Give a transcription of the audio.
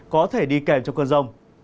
có thể đi kèm cho cơn rông